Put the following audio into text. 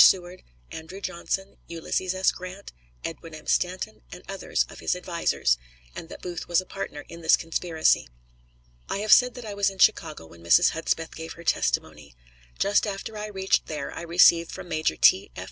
Seward, Andrew Johnson, Ulysses S. Grant, Edwin M. Stanton, and others of his advisers," and that Booth was a partner in this conspiracy. I have said that I was in Chicago when Mrs. Hudspeth gave her testimony. Just after I reached there I received from Major T. F.